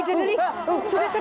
ida dari sudah sadar